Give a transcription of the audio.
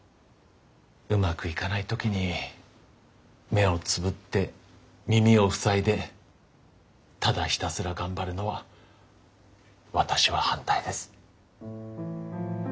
うまくいかない時に目をつぶって耳を塞いでただひたすら頑張るのは私は反対です。